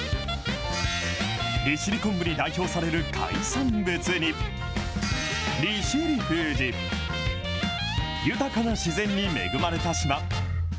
利尻昆布に代表される海産物に、利尻富士、豊かな自然に恵まれた島。